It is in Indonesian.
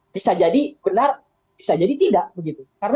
bisa jadi benar bisa jadi tidak begitu